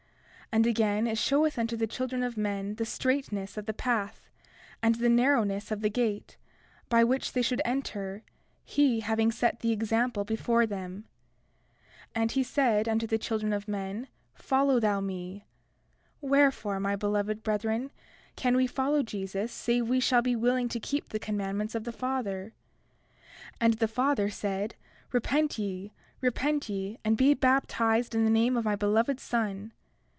31:9 And again, it showeth unto the children of men the straightness of the path, and the narrowness of the gate, by which they should enter, he having set the example before them. 31:10 And he said unto the children of men: Follow thou me. Wherefore, my beloved brethren, can we follow Jesus save we shall be willing to keep the commandments of the Father? 31:11 And the Father said: Repent ye, repent ye, and be baptized in the name of my Beloved Son.